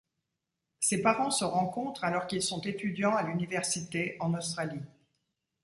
Ses parents se rencontrent alors qu'ils sont étudiants à l'université en Australie.